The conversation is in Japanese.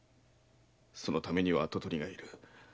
そのためには跡取りがいる。